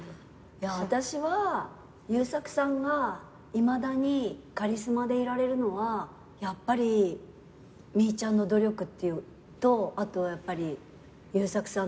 私は優作さんがいまだにカリスマでいられるのはやっぱりみーちゃんの努力とあとはやっぱり優作さんのリスペクト。